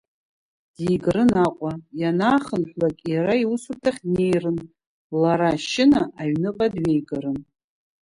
Дигарын Аҟәа, ианаахынҳәлак, иара иусурҭахь днеирын, лара Шьына аҩныҟа дҩеигарын.